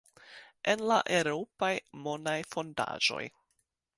en la eŭropaj monaj fondaĵoj.